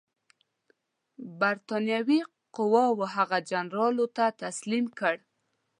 برټانوي قواوو هغه جنرال لو ته تسلیم کړ.